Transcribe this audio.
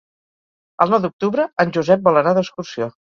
El nou d'octubre en Josep vol anar d'excursió.